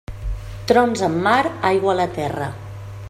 Trons en mar, aigua a la terra.